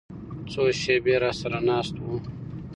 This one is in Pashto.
څو شېبې راسره ناست و.